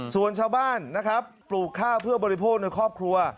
ส่วนชาวบ้านนะครับปลูกข้าวเพื่อบริโภคในครอบครัว